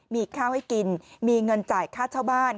มีข้าวให้กินมีเงินจ่ายค่าเช่าบ้าน